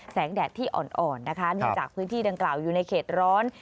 แดดที่อ่อนนะคะเนื่องจากพื้นที่ดังกล่าวอยู่ในเขตร้อน